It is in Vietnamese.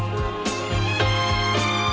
và anh em nhé